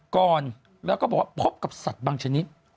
ก่อนแล้วก็บอกว่าพบกับสัตว์บางชนิด